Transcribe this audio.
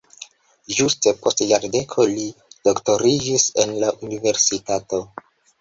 Ĝuste post jardeko li doktoriĝis en la universitato.